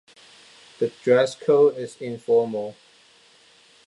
The dress code is informal.